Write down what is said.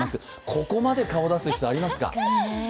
ここまで顔出す必要ありますか？